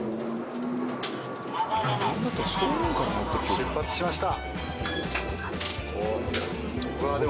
出発しました。